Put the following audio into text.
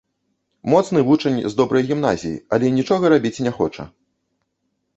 Моцны вучань з добрай гімназіі, але нічога рабіць не хоча.